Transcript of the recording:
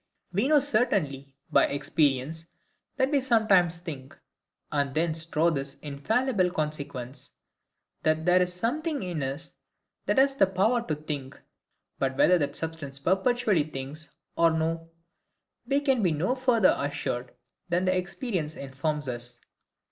We know certainly, by experience, that we SOMETIMES think; and thence draw this infallible consequence,—that there is something in us that has a power to think. But whether that substance PERPETUALLY thinks or no, we can be no further assured than experience informs us.